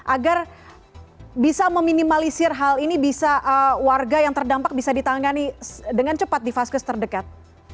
agar bisa meminimalisir hal ini bisa warga yang terdampak bisa ditangani dengan cepat di vaskes terdekat